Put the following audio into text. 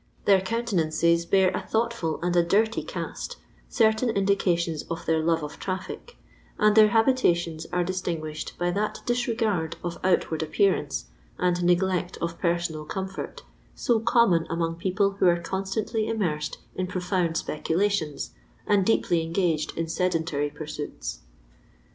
Their countenances bear a thoughtful and a dirty cast, certain indications of their love of traffic ; and their habitations are distinguished by that disregard of outward ap pearance, and neglect of persqnal comfort, so common among people who are constantly im mersed in profound spccuUtions, and deeply en gaged in sedentary pursuits.